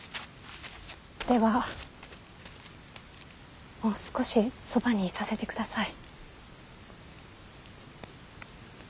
ではもう少しそばにいさせてください。